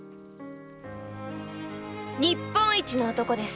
日本一の男です。